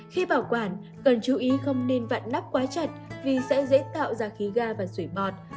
khi bảo quản cần chú ý không nên vặn nắp quá chặt vì sẽ dễ tạo ra khí ga và sủy bọt